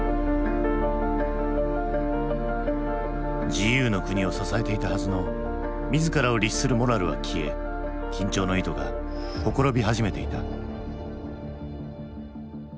自由の国を支えていたはずの自らを律するモラルは消え緊張の糸が綻び始めていた。